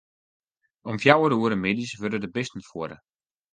Om fjouwer oere middeis wurde de bisten fuorre.